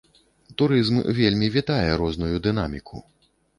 Турызм вельмі вітае розную дынаміку.